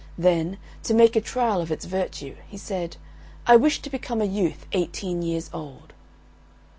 Then, to make a trial of its virtue, he said, "I wish to become a youth eighteen years old."